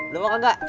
lo mau gak